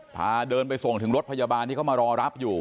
พาเดินไปส่งถึงรถพยาบาลที่เขามารอรับอยู่